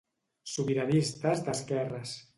Sobiranistes d'Esquerres.